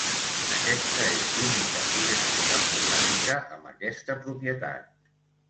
Aquesta és l'única projecció cartogràfica amb aquesta propietat.